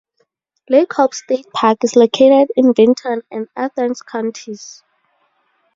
Lake Hope State Park is located in Vinton and Athens Counties.